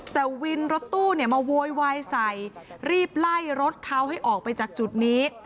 แต่วินรถตู้เนี่ยมาโวยวายใส่รีบไล่รถเขาให้ออกไปจากจุดนี้